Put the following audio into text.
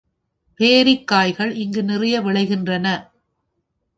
பேரிக்காய்கள் இங்கு நிறைய விளைகின்றன.